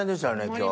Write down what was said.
今日。